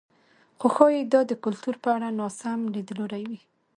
خو ښايي دا د کلتور په اړه ناسم لیدلوری وي.